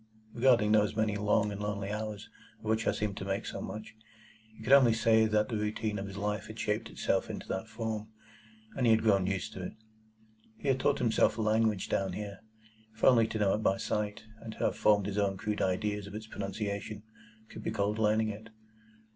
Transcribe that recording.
Regarding those many long and lonely hours of which I seemed to make so much, he could only say that the routine of his life had shaped itself into that form, and he had grown used to it. He had taught himself a language down here,—if only to know it by sight, and to have formed his own crude ideas of its pronunciation, could be called learning it.